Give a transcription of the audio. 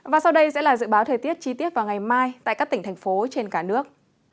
và sau đây sẽ là dự báo thời tiết chi tiết vào ngày mai tại các tỉnh thành phố trên cả nước